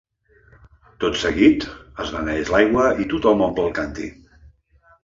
Tot seguit, es beneeix l’aigua i tothom omple el càntir.